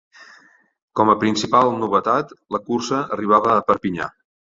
Com a principal novetat, la cursa arribava a Perpinyà.